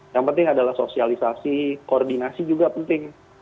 yang penting adalah sosialisasi koordinasi juga penting